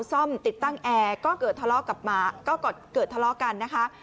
ซ่อมติดตั้งแอร์ก็เกิดทะเลากันนะคะ